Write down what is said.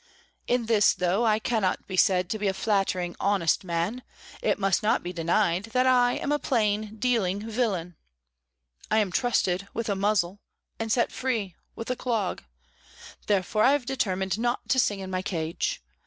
In this, though I cannot be said to be a flattering, honest man, it must not be denied that I am a plain dealing villain. I am trusted, with a muzzle; and set free, with a clog; therefore I have determined not to sing in my cage.